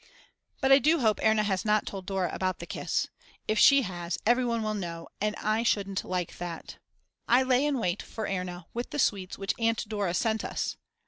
But I do hope Erna has not told Dora about the kiss. If she has everyone will know and I shouldn't like that. I lay in wait for Erna with the sweets which Aunt Dora sent us.